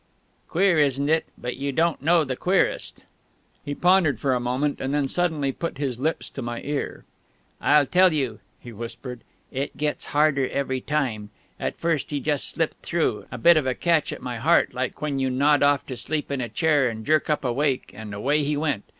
"Queer, isn't it? But you don't know the queerest ..." He pondered for a moment, and then suddenly put his lips to my ear. "I'll tell you," he whispered. "It gets harder every time!... At first, he just slipped through: a bit of a catch at my heart, like when you nod off to sleep in a chair and jerk up awake again; and away he went.